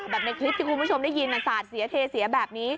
ในคลิปที่คุณผู้ชมได้ยินสาดเสียเทเสียแบบนี้